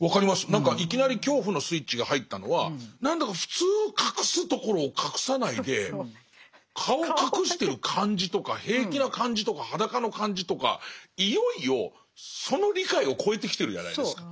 何かいきなり恐怖のスイッチが入ったのはなんだか普通隠すところを隠さないで顔を隠してる感じとか平気な感じとか裸の感じとかいよいよその理解を超えてきてるじゃないですか。